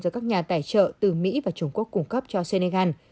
do các nhà tài trợ từ mỹ và trung quốc cung cấp cho senegal